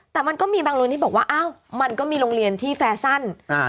แต่มันก็มีบางโรงเรียนที่บอกว่าอ้าวมันก็มีโรงเรียนที่แฟชั่นอ่า